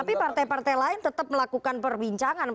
tapi partai partai lain tetap melakukan perbincangan